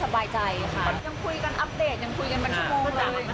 แต่ว่าเข้าที่ทุกวันนี้ที่เราคุยกัน